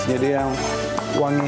jadi yang wangi